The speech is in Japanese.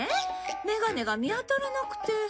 メガネが見当たらなくて。